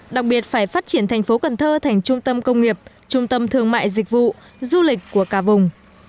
đặc biệt phải phát triển thành phố cần thơ thành trung tâm công nghiệp trung tâm thương mại dịch vụ du lịch của cả vùng